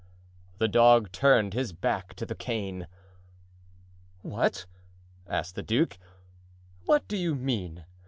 '" The dog turned his back to the cane. "What," asked the duke, "what do you mean?"